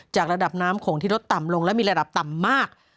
ระดับน้ำโขงที่ลดต่ำลงและมีระดับต่ำมาก